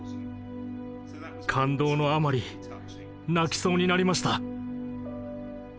感動のあまり泣きそうになりました。